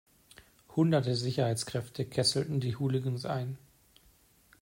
Hunderte Sicherheitskräfte kesselten die Hooligans ein.